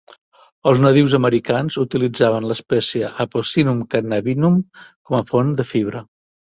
Els nadius americans utilitzaven l'espècie "apocynum cannabinum" com a font de fibra.